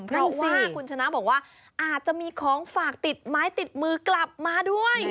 เพราะว่าคุณชนะบอกว่าอาจจะมีของฝากติดไม้ติดมือกลับมาด้วย